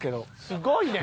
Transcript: すごいね。